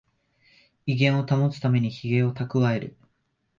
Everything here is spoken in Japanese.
威厳を保つためにヒゲをたくわえる